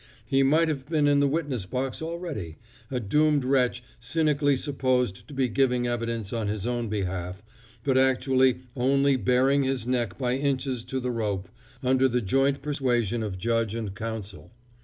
He might have been in the witness box already, a doomed wretch cynically supposed to be giving evidence on his own behalf, but actually only baring his neck by inches to the rope, under the joint persuasion of judge and counsel.